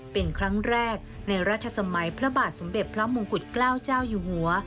เป็นครั้งแรกในราชสมัยพระบาทสมเด็จพระมงกุฎเกล้าเจ้าอยู่หัว